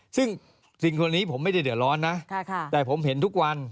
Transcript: ซึ่งสิ่งคนนี้ผมไม่ได้เดือดร้อนนะแต่ผมเห็นทุกวัน